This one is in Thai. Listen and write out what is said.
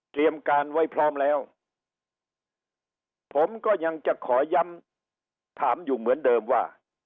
การไว้พร้อมแล้วผมก็ยังจะขอย้ำถามอยู่เหมือนเดิมว่า